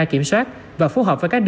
kiểm soát và phối hợp với các đơn